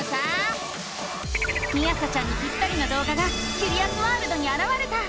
みあさちゃんにぴったりの動画がキュリアスワールドにあらわれた！